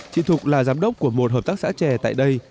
chị thục là giám đốc của một hợp tác xã trè tại đây